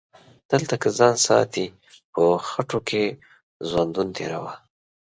دلته که ځان ساتي په خټو کې ژوندون تیروه